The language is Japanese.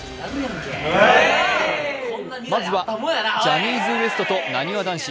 まずはジャニーズＷＥＳＴとなにわ男子。